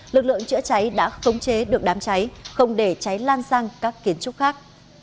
lực lượng chữa cháy đã khống chế được đám cháy không để cháy lan sang các kiến trúc khác